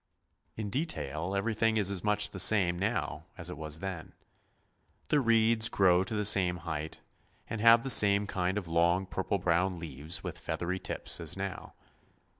In detail everything is much the same now as it was then. The reeds grow to the same height, and have the same kind of long purple brown leaves with feathery tips as now.